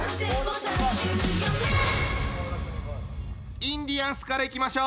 インディアンスからいきましょう！